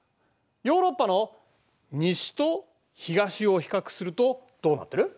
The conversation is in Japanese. ヨーロッパの西と東を比較するとどうなってる？